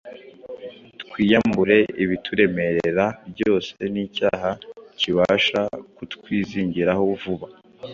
twiyambure ibituremerera byose n’icyaha kibasha kutwizingiraho vuba,